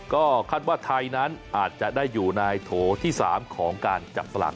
ก็คาดว่าไทยนั้นอาจจะได้อยู่ในโถที่๓ของการจับสลาก